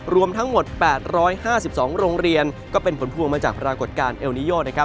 รวมทั้งหมด๘๕๒โรงเรียนก็เป็นผลพวงมาจากปรากฏการณ์เอลนิโยนะครับ